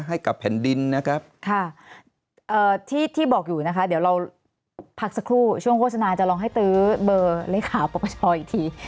ให้กับแผ่นดินนะครับค่ะที่บอกอยู่นะคะเดี๋ยวเราพักสักครู่ช่วงโฆษณาจะลองให้ตื้อเบอร์เลขาปรปชอีกที